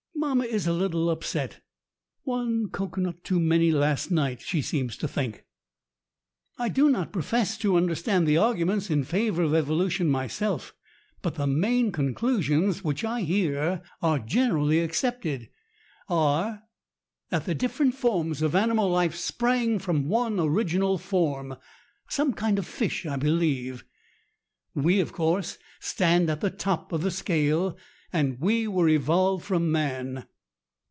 "Mamma is a little upset. One cocoanut too many last night, she seems to think. I do not profess to understand the arguments in favor of evolution my self. But the main conclusions, which I hear are gen erally accepted, are that the different forms of animal life sprang from one original form, some kind of a fish, I believe. We, of course, stand at the top of the scale, and we were evolved from man."